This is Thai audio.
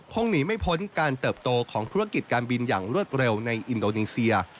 หนีไม่พ้นการเติบโตของธุรกิจการบินอย่างรวดเร็วในอินโดนีเซีย